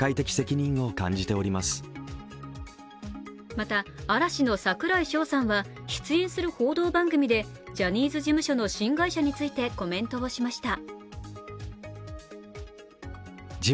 また、嵐の櫻井翔さんは出演する報道番組でジャニーズ事務所の新会社についてコメントをしました。